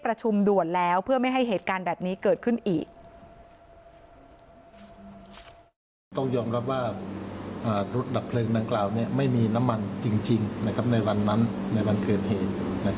รถดับเพลิงนางกล่าวนี้ไม่มีน้ำมันจริงในวันนั้นในวันเกิดเหตุ